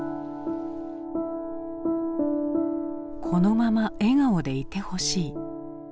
このまま笑顔でいてほしい。